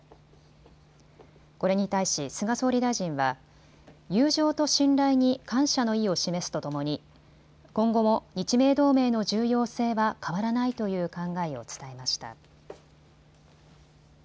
これに対し菅総理大臣は友情と信頼に感謝の意を示すとともに今後も日米同盟の重要性は変わらないという考えを伝えました。